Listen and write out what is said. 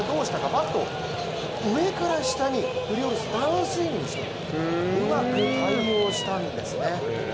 バットを上から下に振り下ろすダウンスイングにしてうまく対応したんですね。